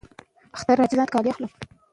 که څوکۍ وي نو ملا نه دردیږي.